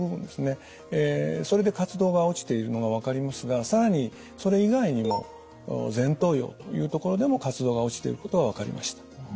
それで活動が落ちているのが分かりますが更にそれ以外にも前頭葉というところでも活動が落ちていることが分かりました。